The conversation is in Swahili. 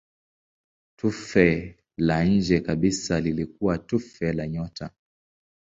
Tufe la nje kabisa lilikuwa tufe la nyota.